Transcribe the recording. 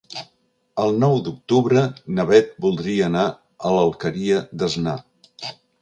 El nou d'octubre na Beth voldria anar a l'Alqueria d'Asnar.